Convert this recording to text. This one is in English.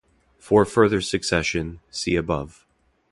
"For further succession, see above"